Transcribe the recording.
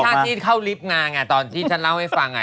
ถ้าที่เข้าลิฟต์มาไงตอนที่ฉันเล่าให้ฟัง